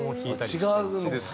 違うんですか。